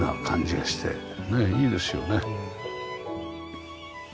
ねえいいですよね。